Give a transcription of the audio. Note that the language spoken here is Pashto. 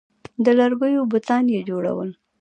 د لرګیو بتان یې جوړول